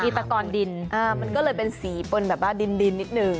ตะกอนดินมันก็เลยเป็นสีปนแบบว่าดินนิดนึง